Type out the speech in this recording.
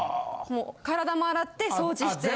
もう体も洗って掃除して。